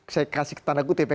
saya kasih ke tandaku tpk